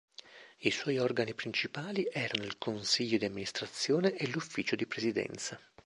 I suoi organi principali erano il consiglio di amministrazione e l'ufficio di presidenza.